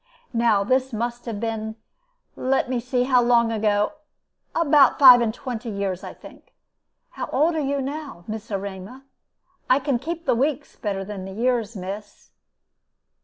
Now this must have been let me see, how long ago? about five and twenty years, I think. How old are you now, Miss Erema? I can keep the weeks better than the years, miss."